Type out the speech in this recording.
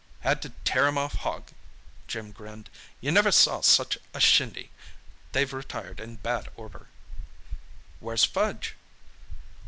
"Had to tear him off Hogg!" Jim grinned. "You never saw such a shindy. They've retired in bad order." "Where's Fudge?"